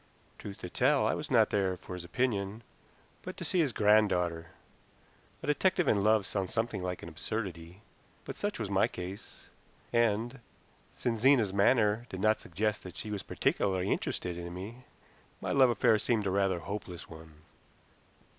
Truth to tell, I was not there for his opinion, but to see his granddaughter. A detective in love sounds something like an absurdity, but such was my case, and, since Zena's manner did not suggest that she was particularly interested in me, my love affair seemed rather a hopeless one.